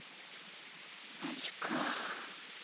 マジか。